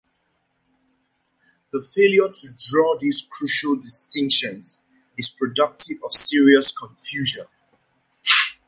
The failure to draw these crucial distinctions is productive of serious confusion.